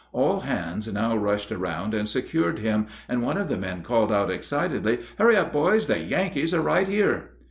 All hands now rushed around and secured him, and one of the men called out excitedly, "Hurry up, boys; the Yankees are right here!"